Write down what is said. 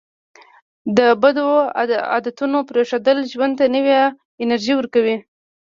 د بدو عادتونو پرېښودل ژوند ته نوې انرژي ورکوي.